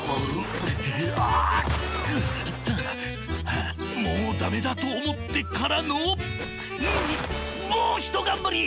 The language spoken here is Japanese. はあもうダメだとおもってからのもうひとがんばり！